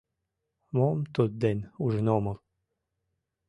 Мом тудден ужын омыл?